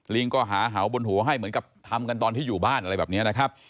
ก็หาเห่าบนหัวให้เหมือนกับทำกันตอนที่อยู่บ้านอะไรแบบนี้นะครับ